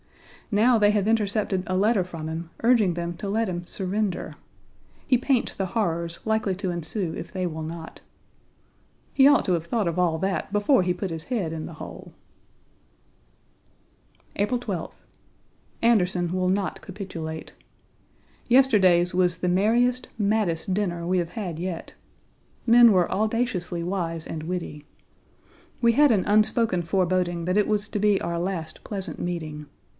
Now they have intercepted a letter from him urging them to let him surrender. Page 35 He paints the horrors likely to ensue if they will not. He ought to have thought of all that before he put his head in the hole. April 12th. Anderson will not capitulate. Yesterday's was the merriest, maddest dinner we have had yet. Men were audaciously wise and witty. We had an unspoken foreboding that it was to be our last pleasant meeting.